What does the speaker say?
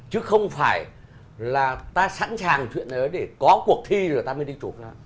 chứ không phải là ta sẵn sàng chuyện này đó để có cuộc thi rồi ta mới đi chụp